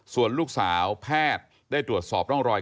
ส่วนลูกสาวแพทย์ได้ตรวจสอบร่องรอย